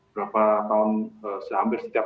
berapa tahun hampir setiap